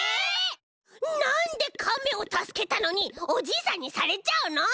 なんでカメをたすけたのにおじいさんにされちゃうの！？